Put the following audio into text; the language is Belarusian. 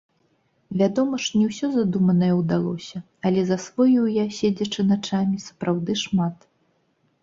Вядома ж, не ўсё задуманае ўдалося, але засвоіў я, седзячы начамі, сапраўды шмат.